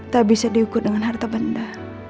tak bisa diukur dengan harta benda